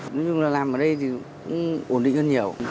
nhưng làm ở đây thì cũng ổn định hơn nhiều